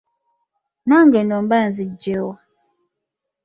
Nange nno mba nzigye wa?